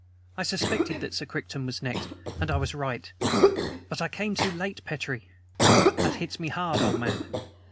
I suspected that Sir Crichton was next, and I was right. But I came too late, Petrie! That hits me hard, old man.